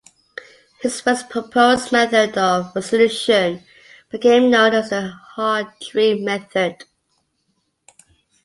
His first proposed method of solution became known as the Hartree method.